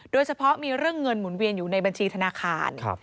โดยเฉพาะมีเรื่องเงินหมุนเวียนอยู่ในบัญชีธนาคาร